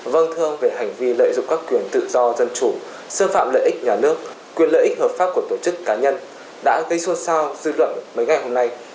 vâng thưa ông về hành vi lợi dụng các quyền tự do dân chủ xâm phạm lợi ích nhà nước quyền lợi ích hợp pháp của tổ chức cá nhân đã gây xôn xao dư luận mấy ngày hôm nay